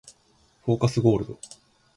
フォーカスゴールド